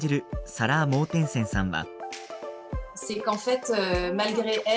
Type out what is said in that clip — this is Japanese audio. サラ・モーテンセンさんは。